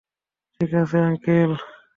ঠিক আছে, আঙ্কেল।